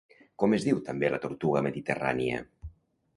Com es diu també la tortuga mediterrània?